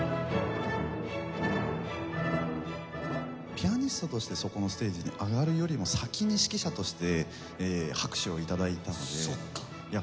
ピアニストとしてそこのステージに上がるよりも先に指揮者として拍手を頂いたのでいや